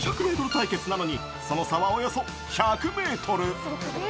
対決なのにその差はおよそ１００メートル。